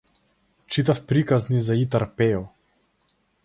Читав приказни за Итар Пејо.